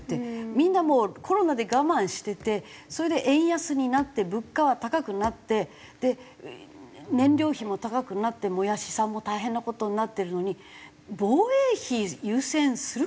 みんなもうコロナで我慢しててそれで円安になって物価は高くなって燃料費も高くなってもやしさんも大変な事になってるのに防衛費優先するか？